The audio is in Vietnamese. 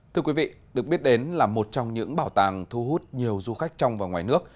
thưa quý vị được biết đến là một trong những bảo tàng thu hút nhiều du khách trong và ngoài nước